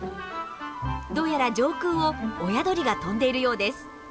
どうやら上空を親鳥が飛んでいるようです。